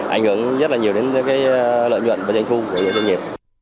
ảnh hưởng rất là nhiều đến lợi nhuận và doanh thu của doanh nghiệp